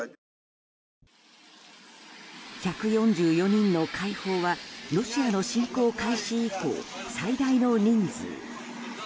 １４４人の解放はロシアの侵攻開始以降、最大の人数。